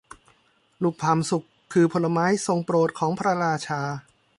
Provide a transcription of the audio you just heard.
ลูกพลัมสุกคือผลไม้ทรงโปรดของพระราชา